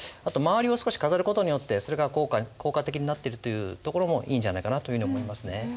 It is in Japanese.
あと周りを少し飾る事によってそれが効果的になっているところもいいんじゃないかなというふうに思いますね。